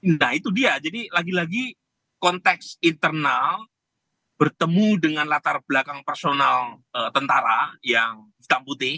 nah itu dia jadi lagi lagi konteks internal bertemu dengan latar belakang personal tentara yang hitam putih